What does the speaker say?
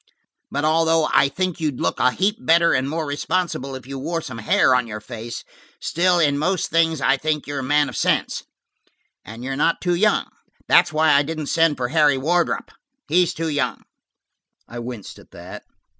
But although I think you'd look a heap better and more responsible if you wore some hair on your face, still in most things I think you're a man of sense. And you're not too young. That's why I didn't send for Harry Wardrop; he's too young." I winced at that.